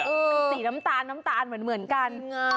สีน้ำตาลเหมือนกัน